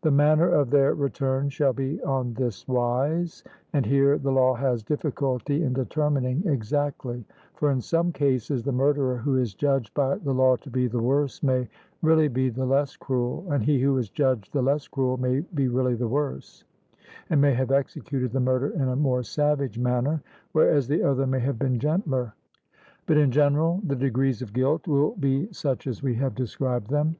The manner of their return shall be on this wise: (and here the law has difficulty in determining exactly; for in some cases the murderer who is judged by the law to be the worse may really be the less cruel, and he who is judged the less cruel may be really the worse, and may have executed the murder in a more savage manner, whereas the other may have been gentler. But in general the degrees of guilt will be such as we have described them.